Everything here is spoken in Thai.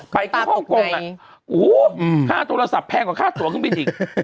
ไปคือฮ่องกงค่าโทรศัพท์แพงกว่าค่าตัวเครื่องบินอีก